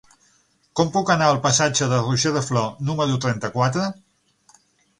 Com puc anar al passatge de Roger de Flor número trenta-quatre?